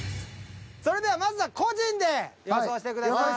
それではまずは個人で予想してください。